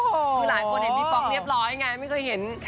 คือหลายคนเห็นพี่ป๊อกเรียบร้อยไงไม่เคยเห็น